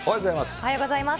おはようございます。